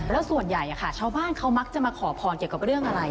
แล้วส่วนใหญ่ชาวบ้านเขามักจะมาขอพรเกี่ยวกับเรื่องอะไร